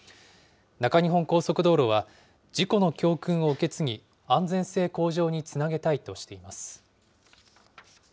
中日本高速道路は事故の教訓を受け継ぎ、安全性向上につなげたいとしています。